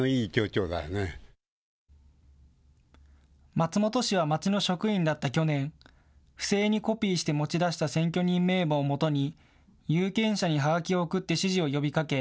松本氏は町の職員だった去年、不正にコピーして持ち出した選挙人名簿をもとに有権者にはがきを送って支持を呼びかけ